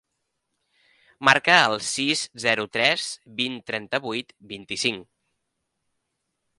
Marca el sis, zero, tres, vint, trenta-vuit, vint-i-cinc.